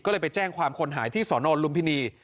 ก็เลยไปแจ้งความคนหายที่สอนอนลุมพินี